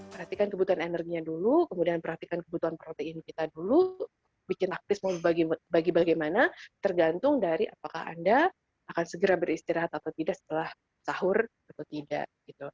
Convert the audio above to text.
perhatikan kebutuhan energinya dulu kemudian perhatikan kebutuhan protein kita dulu bikin aktif mau bagi bagaimana tergantung dari apakah anda akan segera beristirahat atau tidak setelah sahur atau tidak